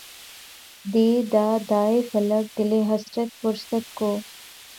دے داد اے فلک! دلِ حسرت پرست کو